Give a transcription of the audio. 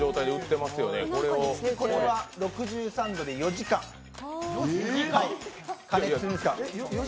これは６３度で４時間加熱するんですが。